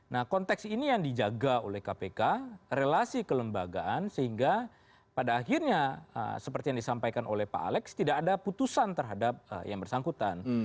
nah konteks ini yang dijaga oleh kpk relasi kelembagaan sehingga pada akhirnya seperti yang disampaikan oleh pak alex tidak ada putusan terhadap yang bersangkutan